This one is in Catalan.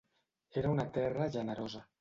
Era una terra generosa.